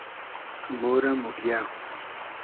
مۉرۂ موگیۂ